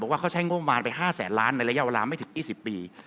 ว่าเขาใช้งบมารไป๕แสนล้านในระยะเวลาไม่ถึง๒๐ปี